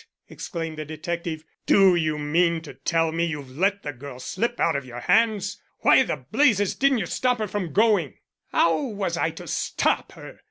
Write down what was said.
exclaimed the detective. "Do you mean to tell me you've let the girl slip out of your hands? Why the blazes didn't you stop her from going?" "How was I to stop her?"